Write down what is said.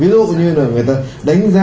vì dụ như là người ta đánh giá